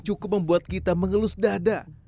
cukup membuat kita mengelus dada